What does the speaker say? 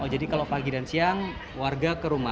oh jadi kalau pagi dan siang warga ke rumah